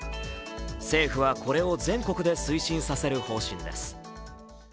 政府はこれを全国で推進させる方針です。